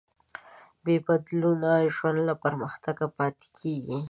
بېبدلونه ژوند له پرمختګه پاتې کېږي.